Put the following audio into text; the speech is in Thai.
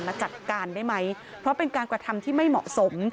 จัดการได้ไหมเพราะเป็นการกระทำที่ไม่เหมาะสม